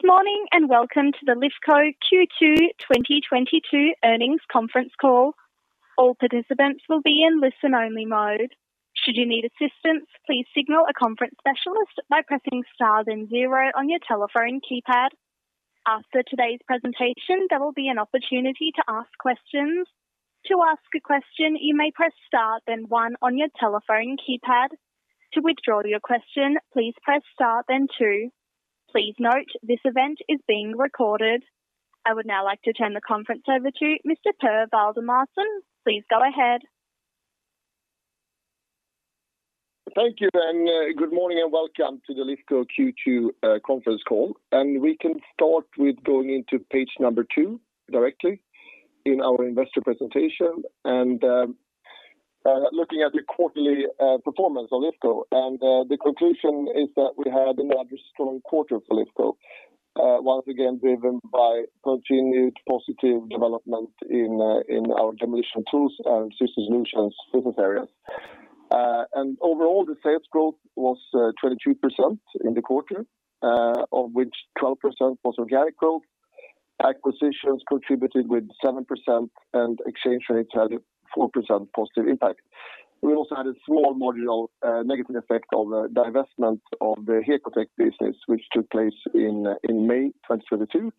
Good morning, and welcome to the Lifco Q2 2022 earnings conference call. All participants will be in listen-only mode. Should you need assistance, please signal a conference specialist by pressing Star then 0 on your telephone keypad. After today's presentation, there will be an opportunity to ask questions. To ask a question, you may press Star then one on your telephone keypad. To withdraw your question, please press Star then two. Please note this event is being recorded. I would now like to turn the conference over to Mr. Per Waldemarson. Please go ahead. Thank you. Good morning and welcome to the Lifco Q2 conference call. We can start with going into page number two directly in our investor presentation and looking at the quarterly performance of Lifco. The conclusion is that we had another strong quarter for Lifco, once again driven by continued positive development in our Demolition & Tools and Systems Solutions business areas. Overall, the sales growth was 22% in the quarter, of which 12% was organic growth. Acquisitions contributed 7% and exchange rates had a 4% positive impact. We also had a small marginal negative effect of the divestment of the Hekotek business, which took place in May 2022.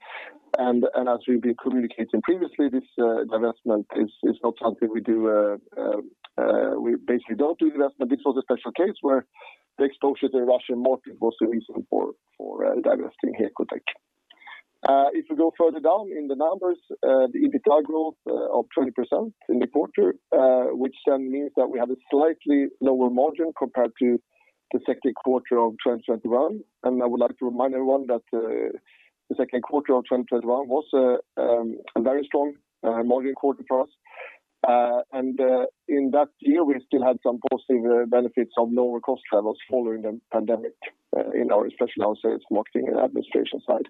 As we've been communicating previously, this divestment is not something we do. We basically don't do investment. This was a special case where the exposure to Russian market was the reason for divesting Hekotek. If you go further down in the numbers, the EBITDA growth of 20% in the quarter, which then means that we have a slightly lower margin compared to the second quarter of 2021. I would like to remind everyone that the second quarter of 2021 was a very strong margin quarter for us. In that year, we still had some positive benefits of lower cost levels following the pandemic, especially our sales, marketing and administration side.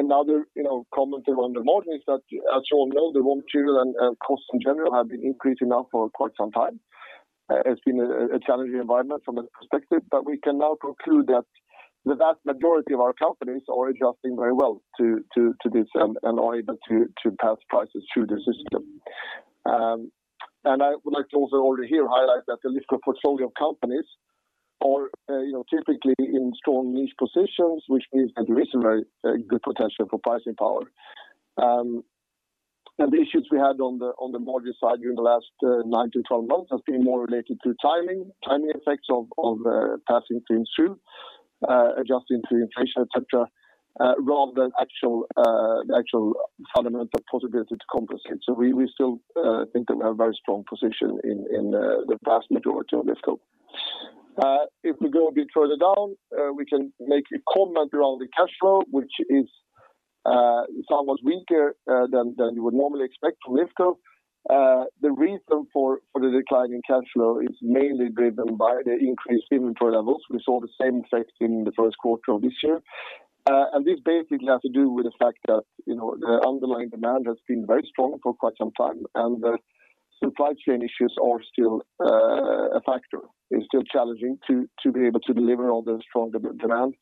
Another, you know, comment around the margin is that as you all know, the raw material and costs in general have been increasing now for quite some time. It's been a challenging environment from that perspective, but we can now conclude that the vast majority of our companies are adjusting very well to this and are able to pass prices through the system. I would like to also already here highlight that the Lifco portfolio of companies are, you know, typically in strong niche positions, which means that there is a very good potential for pricing power. The issues we had on the margin side during the last nine to 12 months has been more related to timing effects of passing things through, adjusting to inflation, et cetera, rather than actual fundamental possibility to compensate. We still think that we have a very strong position in the vast majority of Lifco. If we go a bit further down, we can make a comment around the cash flow, which is somewhat weaker than you would normally expect from Lifco. The reason for the decline in cash flow is mainly driven by the increased inventory levels. We saw the same effect in the first quarter of this year. This basically has to do with the fact that, you know, the underlying demand has been very strong for quite some time, and the supply chain issues are still a factor. It's still challenging to be able to deliver on the strong demand.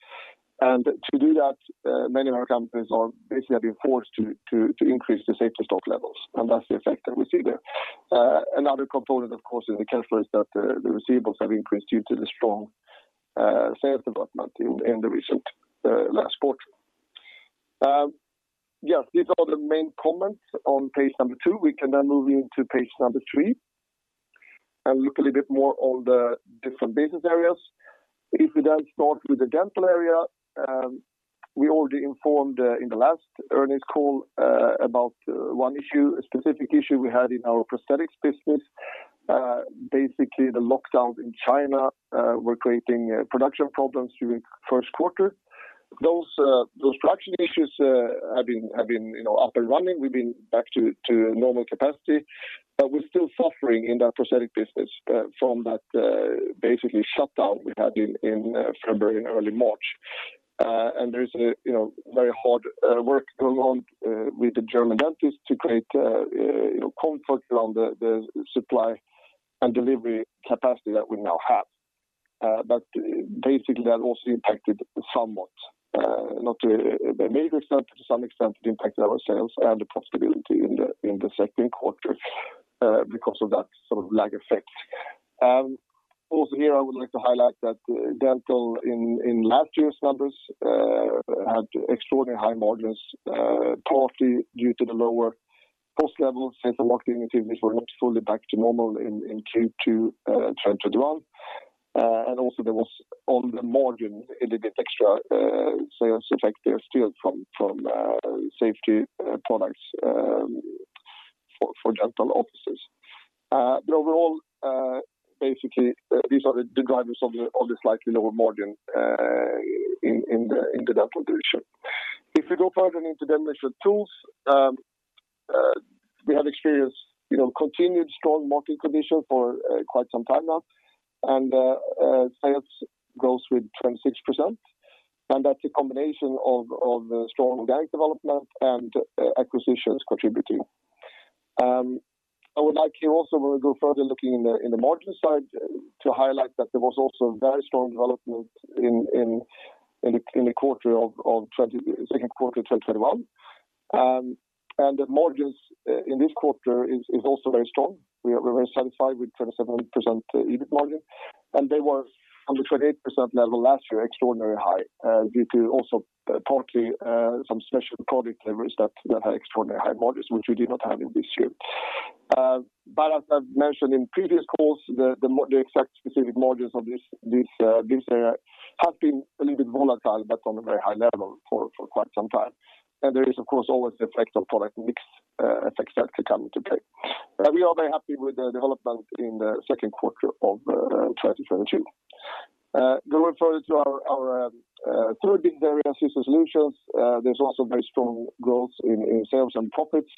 To do that, many of our companies are basically being forced to increase the safety stock levels, and that's the effect that we see there. Another component, of course, in the cash flow is that the receivables have increased due to the strong sales development in the recent last quarter. Yes, these are the main comments on page number two. We can now move into page number three and look a little bit more on the different business areas. If we then start with the dental area, we already informed in the last earnings call about one issue, a specific issue we had in our prosthetics business. Basically the lockdowns in China were creating production problems during first quarter. Those production issues have been, you know, up and running. We've been back to normal capacity, but we're still suffering in that prosthetic business from that basically shutdown we had in February and early March. There is a, you know, very hard work going on with the German dentist to create, you know, comfort around the supply and delivery capacity that we now have. Basically that also impacted somewhat, not to a major extent, to some extent it impacted our sales and the profitability in the second quarter, because of that sort of lag effect. Also here I would like to highlight that Dental in last year's numbers had extraordinary high margins, partly due to the lower cost levels since the lockdown activities were not fully back to normal in Q2 2021. Also there was on the margin a little bit extra sales effect there still from safety products for dental offices. Overall, basically, these are the drivers of the slightly lower margin in the Dental division. If you go further into Demolition & Tools, you know, we have experienced continued strong market conditions for quite some time now. Sales grew with 26%, and that's a combination of strong organic development and acquisitions contributing. I would also like to go further into the margins to highlight that there was also very strong development in the second quarter 2021. The margins in this quarter is also very strong. We are very satisfied with 27% EBITDA margin, and they were on the 28% level last year, extraordinarily high due to also partly some special product levers that had extraordinarily high margins, which we did not have in this year. As I've mentioned in previous calls, the exact specific margins of this area have been a little bit volatile, but on a very high level for quite some time. There is, of course, always the effect of product mix effects that can come into play. We are very happy with the development in the second quarter of 2022. Going further to our third business area, Systems Solutions. There's also very strong growth in sales and profits,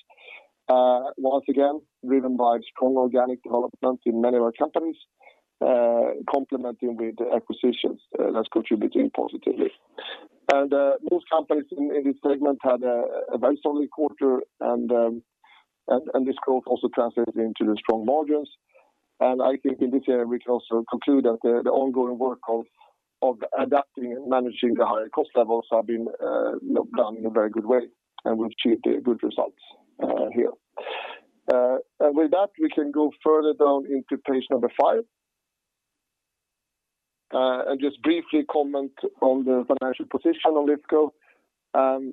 once again, driven by strong organic development in many of our companies, complementing with acquisitions, that's contributing positively. Most companies in this segment had a very solid quarter and this growth also translated into the strong margins. I think in this area, we can also conclude that the ongoing work of adapting and managing the higher cost levels have been done in a very good way, and we've achieved good results here. With that, we can go further down into page number five. Just briefly comment on the financial position of Lifco.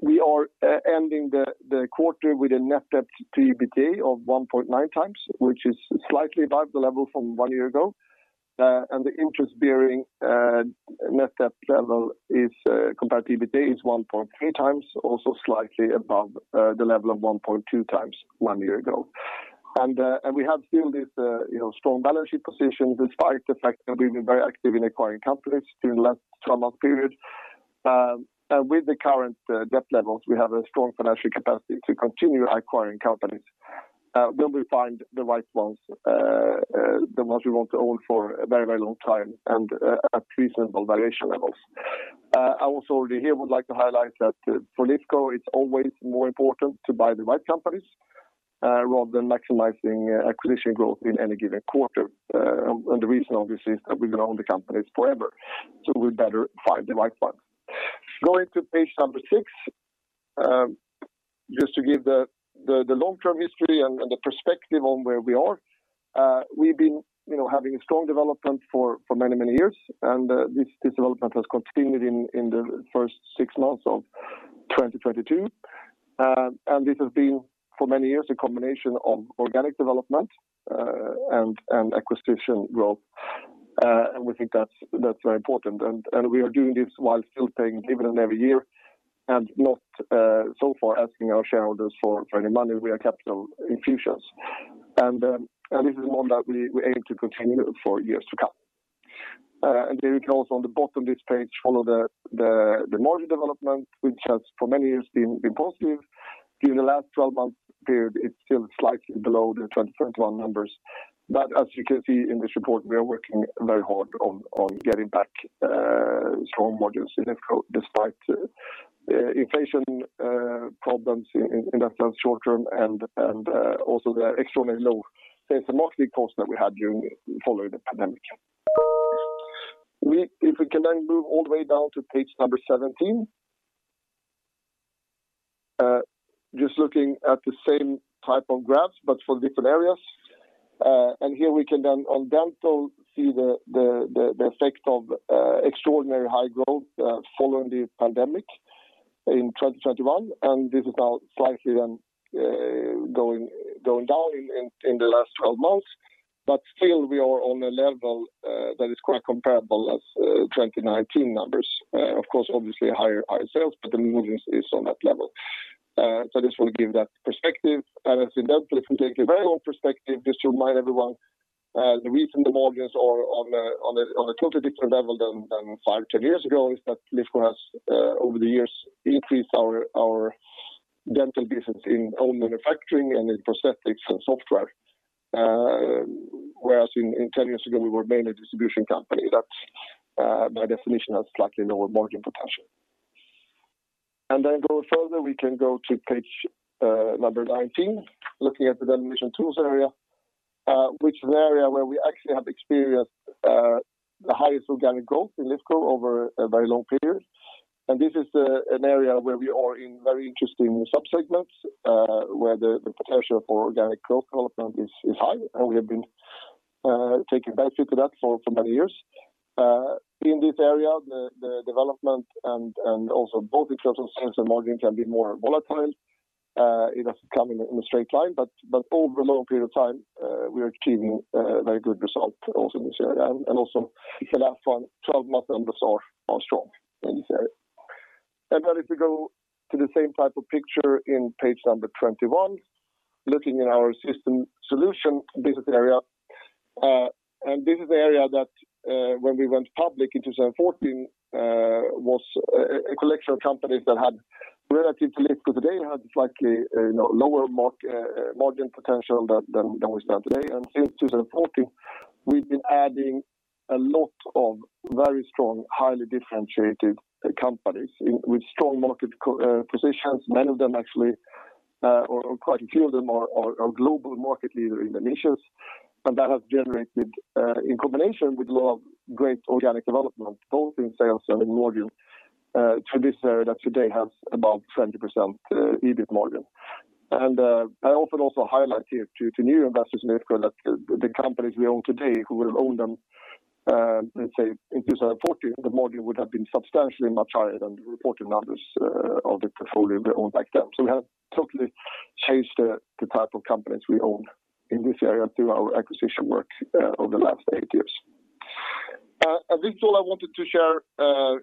We are ending the quarter with a net debt to EBITDA of 1.9x, which is slightly above the level from one year ago. The interest bearing net debt level is, compared to EBITDA, 1.3x, also slightly above the level of 1.2x one year ago. We have still this, you know, strong balance sheet position despite the fact that we've been very active in acquiring companies during the last 12-month period. With the current debt levels, we have a strong financial capacity to continue acquiring companies, when we find the right ones, the ones we want to own for a very, very long time and at reasonable valuation levels. I also already here would like to highlight that for Lifco, it's always more important to buy the right companies, rather than maximizing acquisition growth in any given quarter. The reason obviously is that we're going to own the companies forever, so we better find the right ones. Going to page number six. Just to give the long-term history and the perspective on where we are. We've been, you know, having a strong development for many years, and this development has continued in the first six months of 2022. This has been for many years a combination of organic development and acquisition growth. We think that's very important. We are doing this while still paying dividend every year and not so far asking our shareholders for any money via capital infusions. This is one that we aim to continue for years to come. Then we can also on the bottom of this page follow the margin development, which has for many years been positive. During the last 12-month period, it's still slightly below the 2021 numbers. As you can see in this report, we are working very hard on getting back strong margins in Lifco despite inflation problems in that short term and also the extraordinary low interest margin costs that we had during following the pandemic. If we can then move all the way down to page number 17. Just looking at the same type of graphs but for different areas. Here we can then, on dental, see the effect of extraordinary high growth following the pandemic in 2021, and this is now slightly then going down in the last 12 months. Still we are on a level that is quite comparable as 2019 numbers. Of course, obviously higher sales, but the margins is on that level. I just want to give that perspective. As in dental, if we take a very long perspective, just to remind everyone, the reason the margins are on a totally different level than five-10 years ago is that Lifco has over the years increased our dental business in own manufacturing and in prosthetics and software, whereas 10 years ago, we were mainly a distribution company. That by definition has slightly lower margin potential. And going further, we can go to page number 19, looking at the Automation Tools area, which is an area where we actually have experienced the highest organic growth in Lifco over a very long period. This is an area where we are in very interesting sub-segments, where the potential for organic growth development is high, and we have been taking benefit of that for many years. In this area, the development and also both in terms of sales and margin can be more volatile. It doesn't come in a straight line, but over a long period of time, we are achieving a very good result also in this area, and also the last 12 months numbers are strong in this area. Then if we go to the same type of picture in page number 21, looking in our Systems Solutions business area. This is the area that, when we went public in 2014, was a collection of companies that had, relative to Lifco today, had slightly, you know, lower margin potential than we have today. Since 2014, we've been adding a lot of very strong highly differentiated companies with strong market positions. Many of them actually, or quite a few of them are global market leader in the niches. That has generated, in combination with lot of great organic development, both in sales and in margin, to this area that today has about 20% EBITDA margin. I often also highlight here to new investors in Lifco that the companies we own today, who will own them, let's say in 2014, the margin would have been substantially much higher than the reported numbers of the portfolio we own back then. We have totally changed the type of companies we own in this area through our acquisition work over the last eight years. This is all I wanted to share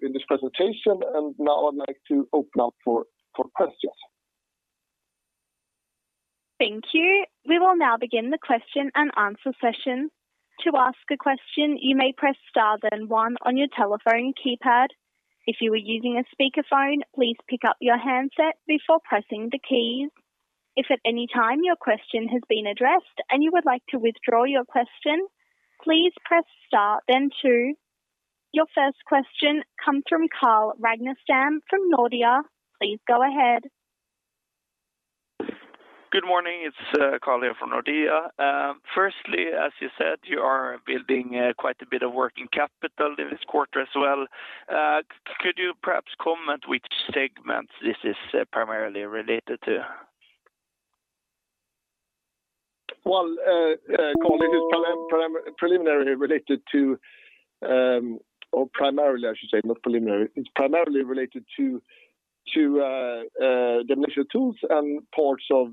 in this presentation, and now I'd like to open up for questions. Thank you. We will now begin the question and answer session. To ask a question, you may press star then one on your telephone keypad. If you are using a speaker phone, please pick up your handset before pressing the keys. If at any time your question has been addressed and you would like to withdraw your question, please press star then two. Your first question comes from Carl Ragnerstam from Nordea. Please go ahead. Good morning. It's Carl Ragnerstam here from Nordea. Firstly, as you said, you are building quite a bit of working capital this quarter as well. Could you perhaps comment which segments this is primarily related to? Well, Carl, it is preliminarily related to, or primarily, I should say, not preliminary. It's primarily related to the initial tools and parts of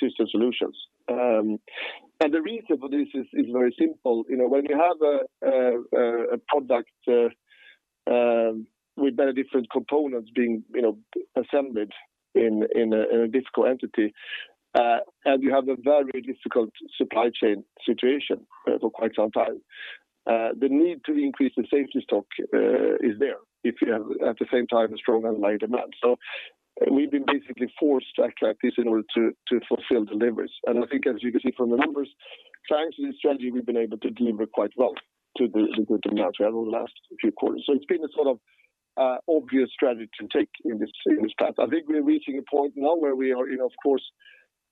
Systems Solutions. The reason for this is very simple. You know, when you have a product with many different components being assembled in a difficult entity, and you have a very difficult supply chain situation for quite some time, the need to increase the safety stock is there if you have, at the same time, a strong online demand. We've been basically forced to act like this in order to fulfill deliveries. I think, as you can see from the numbers, thanks to this strategy, we've been able to deliver quite well to the demand we have over the last few quarters. It's been a sort of obvious strategy to take in this path. I think we're reaching a point now where we are, you know, of course,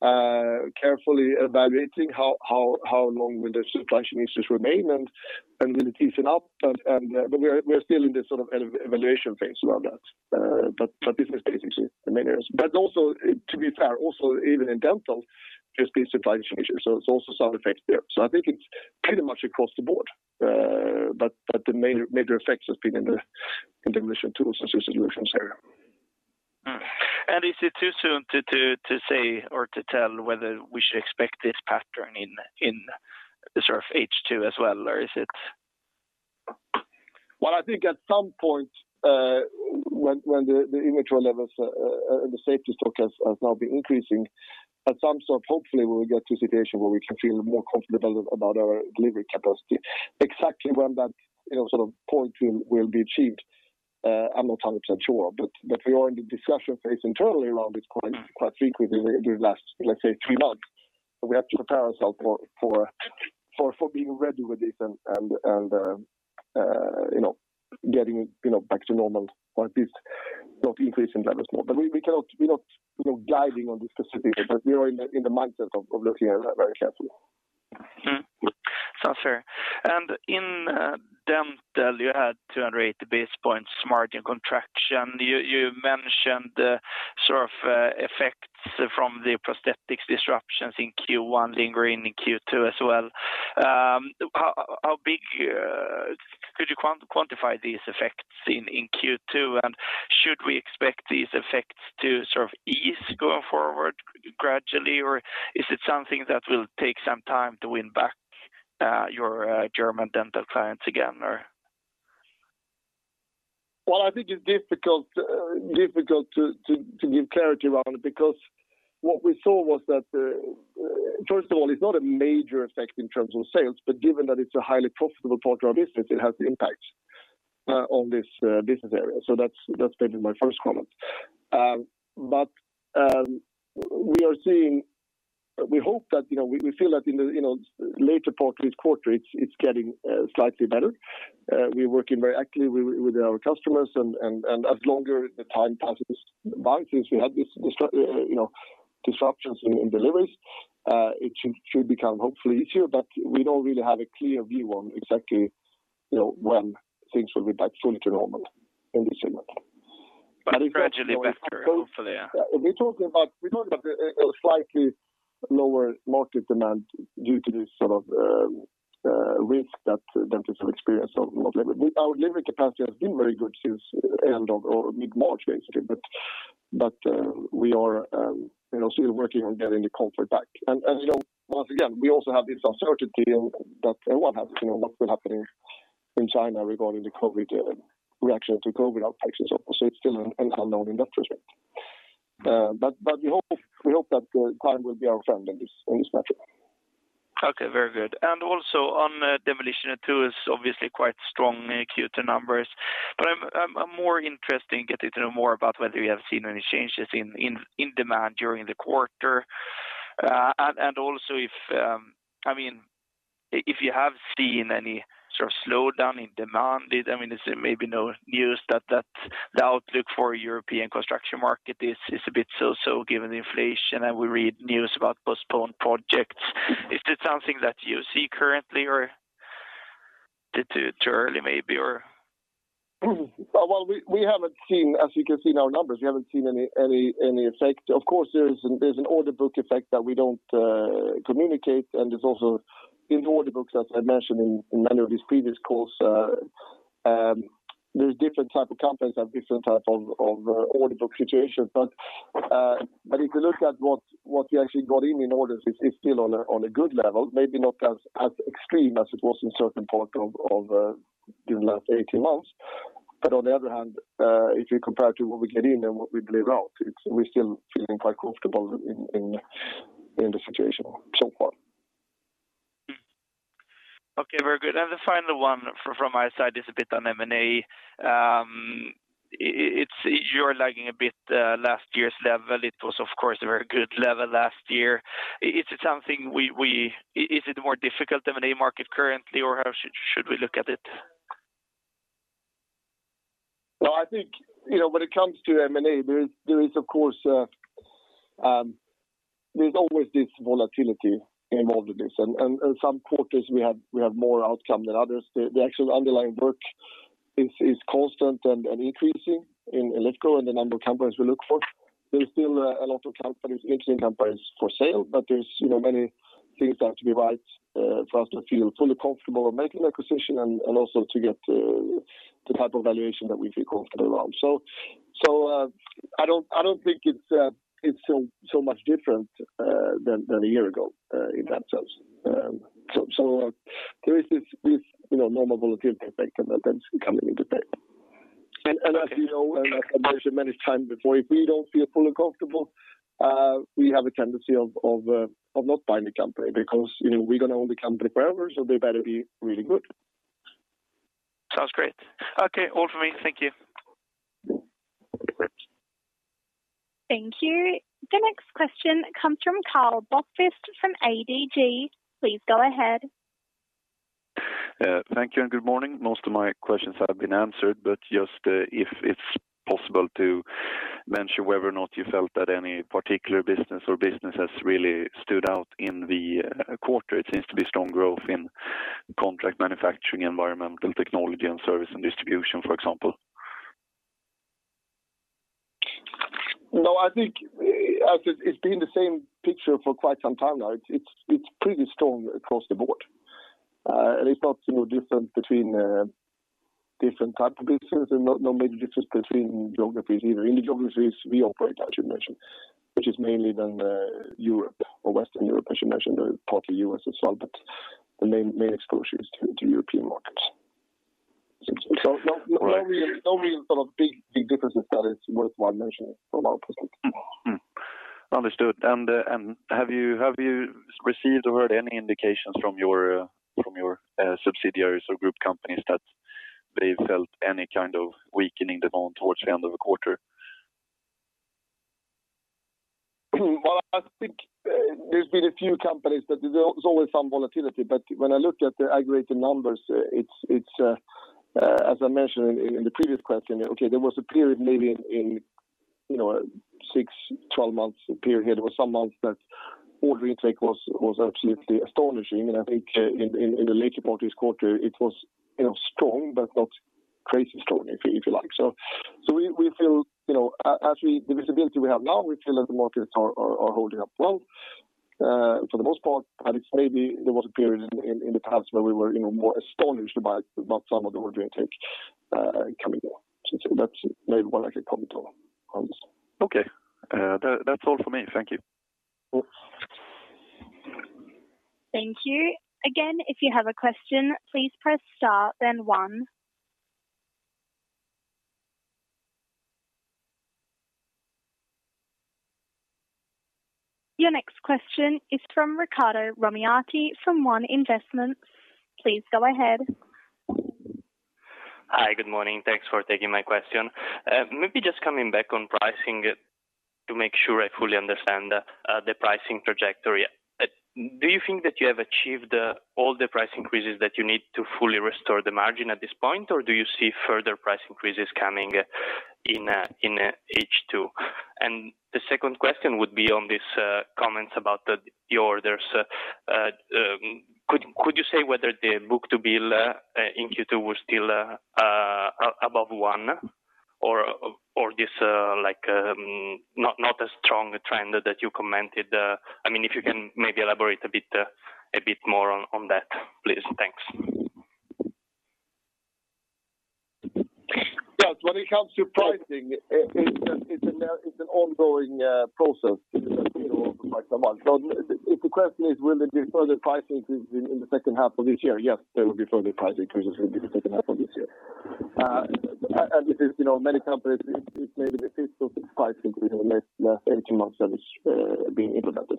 carefully evaluating how long will the supply chain issues remain and will it ease up. But we're still in the sort of evaluation phase around that. But this is basically the main areas. But also, to be fair, also even in dental, there's been supply chain issues, so it's also some effect there. I think it's pretty much across the board. The main major effects has been in the Dental, Demolition & Tools and Systems Solutions area. Is it too soon to say or to tell whether we should expect this pattern in sort of H2 as well, or is it? Well, I think at some point when the inventory levels, the safety stock has now been increasing, at some point, hopefully we will get to a situation where we can feel more comfortable about our delivery capacity. Exactly when that you know sort of point will be achieved, I'm not 100% sure. We are in the discussion phase internally around this point quite frequently the last let's say three months. We have to prepare ourselves for being ready with this and you know getting you know back to normal or at least not increasing levels more. We cannot, we're not you know guiding on this specific, but we are in the mindset of looking at that very carefully. Mm-hmm. Sounds fair. In dental, you had 280 basis points margin contraction. You mentioned the sort of effects from the prosthetics disruptions in Q1 lingering in Q2 as well. How big could you quantify these effects in Q2? Should we expect these effects to sort of ease going forward gradually, or is it something that will take some time to win back your German dental clients again, or? Well, I think it's difficult to give clarity around it because what we saw was that, first of all, it's not a major effect in terms of sales, but given that it's a highly profitable part of our business, it has impact on this business area. That's been my first comment. We hope that, you know, we feel that in the, you know, later part of this quarter, it's getting slightly better. We're working very actively with our customers and as longer the time passes by since we had this disruptions in deliveries, it should become hopefully easier, but we don't really have a clear view on exactly, you know, when things will be back fully to normal in this segment. Gradually better, hopefully, yeah. We're talking about a slightly lower market demand due to this sort of risk that dentists have experienced of not delivering. Our delivery capacity has been very good since end of or mid-March, basically. We are, you know, still working on getting the comfort back. As you know, once again, we also have this uncertainty on what happens, you know, what will happen in China regarding the COVID reaction to COVID outbreaks and so on. It's still an unknown in that respect. We hope that time will be our friend in this matter. Okay, very good. Also on the Demolition & Tools, obviously quite strong Q2 numbers. I'm more interested in getting to know more about whether you have seen any changes in demand during the quarter, and also if I mean, if you have seen any sort of slowdown in demand. I mean, is it maybe no news that the outlook for European construction market is a bit so-so given the inflation and we read news about postponed projects. Is this something that you see currently or it too early maybe, or? Well, we haven't seen any effect. As you can see in our numbers, we haven't seen any effect. Of course, there's an order book effect that we don't communicate, and there's also in the order books, as I mentioned in many of these previous calls, there's different type of companies have different type of order book situations. If you look at what we actually got in orders, it's still on a good level, maybe not as extreme as it was at a certain point during the last 18 months. On the other hand, if you compare to what we get in and what we deliver out, we're still feeling quite comfortable in the situation so far. Okay, very good. The final one from my side is a bit on M&A. You're lagging a bit last year's level. It was of course a very good level last year. Is it more difficult M&A market currently, or how should we look at it? Well, I think, you know, when it comes to M&A, there is of course, there's always this volatility involved in this. Some quarters we have more outcome than others. The actual underlying work is constant and increasing in Lifco and the number of companies we look for. There's still a lot of companies, interesting companies for sale, but there's, you know, many things that have to be right for us to feel fully comfortable making acquisition and also to get the type of valuation that we feel comfortable around. I don't think it's so much different than a year ago in that sense. There is this, you know, normal volatility effect and that's coming into play. As you know, as I mentioned many times before, if we don't feel fully comfortable, we have a tendency of not buying the company because, you know, we're gonna own the company forever, so they better be really good. Sounds great. Okay, all for me. Thank you. Thanks. Thank you. The next question comes from Fredrik Karlsson from ABG Sundal Collier. Please go ahead. Thank you and good morning. Most of my questions have been answered, but just, if it's possible to mention whether or not you felt that any particular business has really stood out in the quarter. It seems to be strong growth in Contract Manufacturing, Environmental Technology, and service and distribution, for example. No, I think as it's been the same picture for quite some time now. It's pretty strong across the board. It's not, you know, different between different type of businesses and no major difference between geographies either. In the geographies we operate, I should mention, which is mainly then Europe or Western Europe, I should mention, or partly U.S. as well. The main exposure is to European markets. No real sort of big differences that is worthwhile mentioning from our perspective. Understood. Have you received or heard any indications from your subsidiaries or group companies that they've felt any kind of weakening demand towards the end of the quarter? Well, I think there's been a few companies that there's always some volatility. When I look at the aggregated numbers, it's as I mentioned in the previous question. Okay, there was a period maybe in you know, six, 12 months period. There was some months that order intake was absolutely astonishing. I think in the later part of this quarter, it was you know, strong but not crazy strong if you like. We feel you know, actually the visibility we have now. We feel that the markets are holding up well for the most part. It's maybe there was a period in the past where we were you know, more astonished by some of the order intake coming in. That's maybe one extra comment on this. Okay. That's all for me. Thank you. Sure. Thank you. Again, if you have a question, please press star then one. Your next question is from Riccardo Romiati from One INVESTMENTS. Please go ahead. Hi, good morning. Thanks for taking my question. Maybe just coming back on pricing to make sure I fully understand the pricing trajectory. Do you think that you have achieved all the price increases that you need to fully restore the margin at this point? Or do you see further price increases coming in H2? The second question would be on this comments about your orders. Could you say whether the book-to-bill in Q2 was still above one or this like not a strong trend that you commented? I mean, if you can maybe elaborate a bit more on that, please. Thanks. Yes. When it comes to pricing, it's an ongoing process, you know, quite some months. If the question is will there be further price increases in the second half of this year? Yes, there will be further price increases in the second half of this year. This is, you know, many companies, it may be the fifth or sixth price increase in the last 18 months that is being implemented.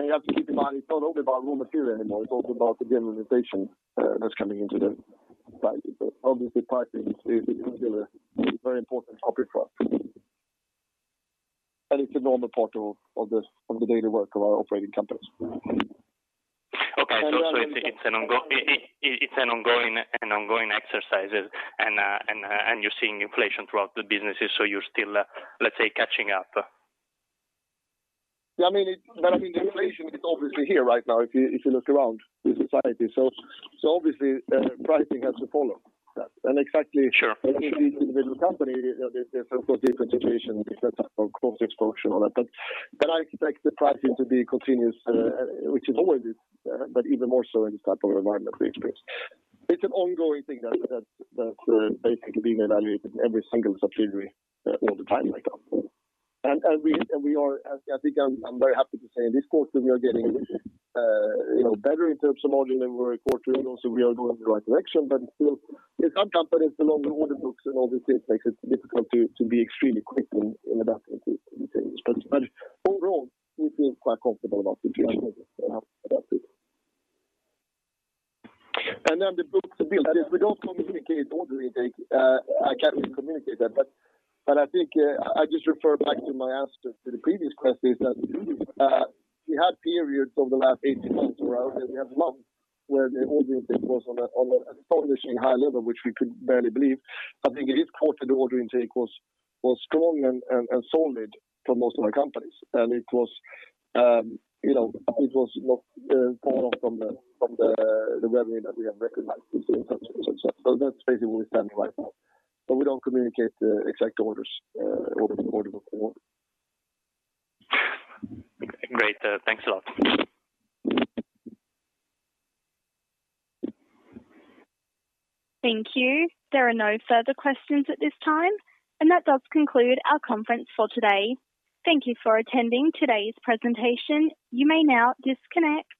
You have to keep in mind, it's not only about raw material anymore, it's also about the general inflation that's coming into the economy. Obviously pricing is really a very important topic for us. It's a normal part of the daily work of our operating companies. It's an ongoing exercise and you're seeing inflation throughout the businesses, so you're still, let's say, catching up? Yeah, I mean, but I mean the inflation is obviously here right now if you look around the society. Obviously, pricing has to follow that. Exactly. Sure. In each individual company, there's of course different situations in terms of cost exposure and all that. Then I expect the pricing to be continuous, which is always, but even more so in this type of environment we experience. It's an ongoing thing that basically being evaluated in every single subsidiary all the time like that. I think I'm very happy to say in this quarter we are getting you know better in terms of margin than we were in quarter. We are going in the right direction. Still in some companies, the longer order books and obviously it makes it difficult to be extremely quick in adapting to these things. Overall we feel quite comfortable about the situation and that's it. The book-to-bill. We don't communicate order intake. I can't really communicate that, but I think I just refer back to my answer to the previous question is that we had periods over the last eighteen months around, and we had months where the order intake was on an astonishing high level, which we could barely believe. I think in this quarter, the order intake was strong and solid for most of our companies. It was, you know, it was not far off from the revenue that we have recognized this quarter. That's basically where we're standing right now. We don't communicate the exact order book forward. Great. Thanks a lot. Thank you. There are no further questions at this time, and that does conclude our conference for today. Thank you for attending today's presentation. You may now disconnect.